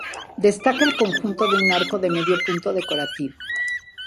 Destaca el conjunto de un arco de medio punto decorativo.